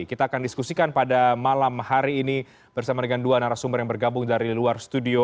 kita akan diskusikan pada malam hari ini bersama dengan dua narasumber yang bergabung dari luar studio